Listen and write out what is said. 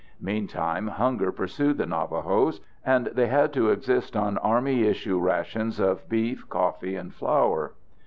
Meantime, hunger pursued the Navajos, and they had to exist on army issue rations of beef, coffee, and flour.